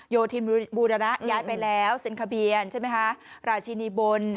โยธินบูรณะย้ายไปแล้วเซ็นทะเบียนใช่ไหมคะราชินีบน